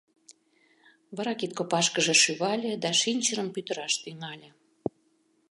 Вара кид копашкыже шӱвале да шинчырым пӱтыраш тӱҥале.